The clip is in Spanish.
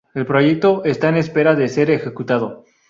El proyecto está en espera de ser ejecutado.